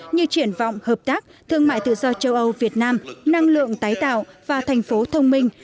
như triển vọng hợp tác thương mại tự do châu âu việt nam năng lượng tái tạo và thành phố thông minh